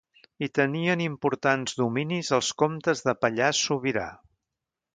Hi tenien importants dominis els comtes de Pallars Sobirà.